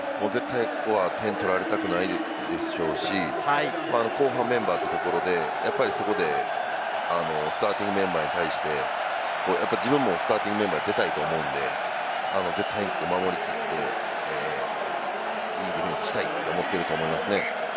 ここは絶対点を取られたくないでしょうし、後半メンバーというところで、やっぱりそこでスターティングメンバーに対してやっぱり自分もスターティングメンバーで出たいと思うので、絶対守り切っていいディフェンスしたいと思っていると思いますね。